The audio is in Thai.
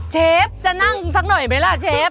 เชฟจะนั่งสักหน่อยไหมล่ะเชฟ